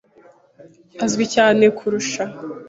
Azwi cyane kukurusha.